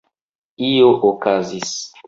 Io okazis.